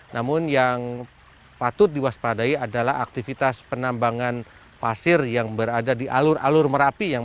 namun yang patut diwaspadai adalah aktivitas penambangan pasir yang berada di alur alur merapi